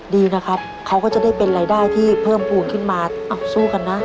ดีนะครับเขาก็จะได้เป็นรายได้ที่เพิ่มภูมิขึ้นมาสู้กันนะ